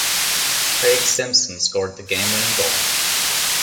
Craig Simpson scored the game-winning goal.